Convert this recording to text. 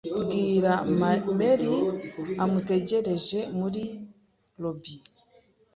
Bwira Mary amutegereje muri lobby.